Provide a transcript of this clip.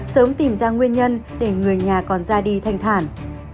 sớm tìm ra nguyên nhân để người nhà còn ra đi thanh thản